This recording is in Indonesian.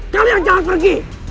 kalian jangan pergi